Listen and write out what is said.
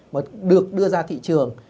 mà được đưa ra thị trường